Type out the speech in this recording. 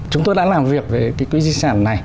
chúng tôi đã làm việc về cái quỹ di sản này